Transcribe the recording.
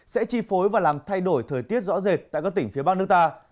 sẽ chi phối và làm thay đổi thời tiết rõ rệt tại các tỉnh phía bắc nước ta